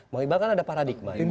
bang iqbal kan ada paradigma ini